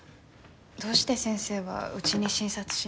どうして先生は家に診察しに。